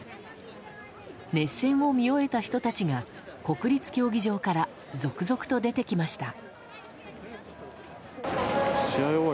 熱戦を見終えた人たちが国立競技場から続々と出てきました。